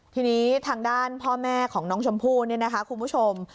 ที่นี้ทางด้านพ่อแม่ของน้องชมพู่คุณผู้ชม